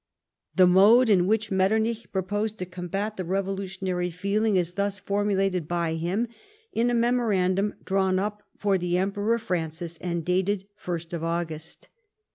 The mode in which INletternich proposed to combat the revolutionary feeling is thus formulated by him in a memo randum drawn up for the Emperor Francis, and dated the 1st of August.